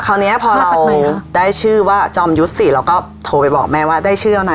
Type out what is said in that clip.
เนี้ยพอเราได้ชื่อว่าจอมยุทธ์สิเราก็โทรไปบอกแม่ว่าได้ชื่อนะ